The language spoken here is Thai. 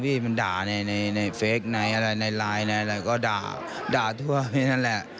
พี่มันด่าในเฟคในไลน์อะไรก็ด่าทั่วไปนั่นแหละ